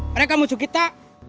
mereka musuh kita